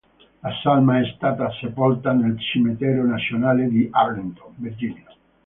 La salma è stata sepolta nel Cimitero nazionale di Arlington, Virginia.